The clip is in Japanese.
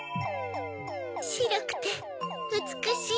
しろくてうつくしい。